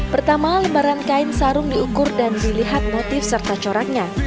pertama lembaran kain sarung diukur dan dilihat motif serta coraknya